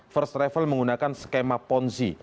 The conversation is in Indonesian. first travel menggunakan skema ponzi